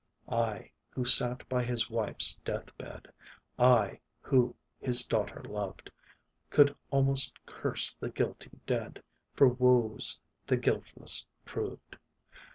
I, who sat by his wife's death bed, I, who his daughter loved, Could almost curse the guilty dead, For woes the guiltless proved.